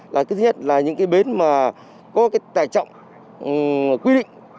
là thứ nhất là những cái bến mà có cái tải trọng quy định